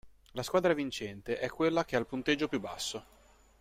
La squadra vincente è quella che ha il punteggio più basso.